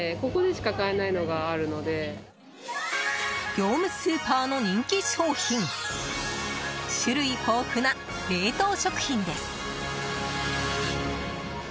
業務スーパーの人気商品種類豊富な冷凍食品です。